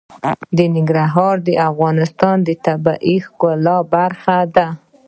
ننګرهار د افغانستان د طبیعت د ښکلا برخه ده.